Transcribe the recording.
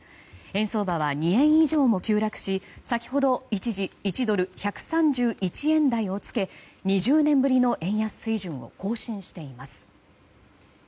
円相場は２円以上も急落し先ほど一時１ドル＝１３１円台をつけ２０年ぶりの円安水準を更新しています。